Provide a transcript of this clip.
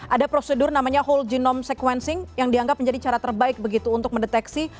ada prosedur namanya whole genome sequencing yang dianggap menjadi cara terbaik begitu untuk mendeteksi